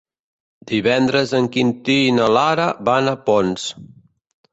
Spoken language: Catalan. Divendres en Quintí i na Lara van a Ponts.